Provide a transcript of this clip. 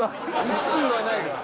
１位はないです。